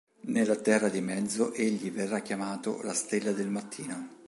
Nella Terra di Mezzo egli verrà chiamato la Stella del Mattino.